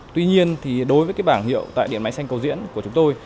tuy nhiên thì đối với cái bảng hiệu tại điện máy xanh cầu diễn của chúng tôi